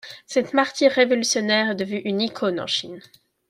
Cette martyre révolutionnaire est devenue une icône en Chine.